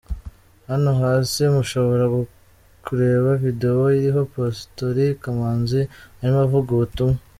Hano hasi mushobora kureba video iriho Pastori Kamanzi arimo avuga ubutumwa.